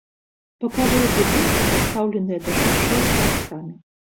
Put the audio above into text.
Бакавыя будынкі пастаўленыя да шашы тарцамі.